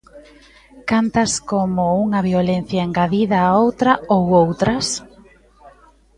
¿Cantas como unha violencia engadida a outra ou outras?